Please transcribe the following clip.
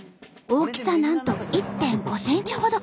大きさなんと１．５ｃｍほど。